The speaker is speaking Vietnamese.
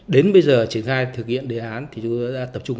đến bây giờ triển khai thực hiện đề án thì chúng tôi đã tập trung